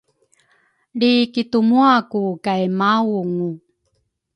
lrikitumuaku kay maaungu.